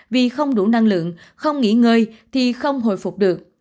vì không đủ năng lượng không nghỉ ngơi thì không hồi phục được